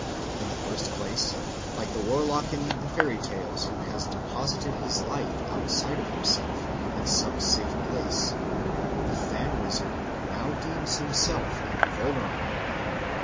In the first place, like the warlock in the fairy tales who has deposited his life outside of himself in some safe place, the Fan wizard now deems himself invulnerable.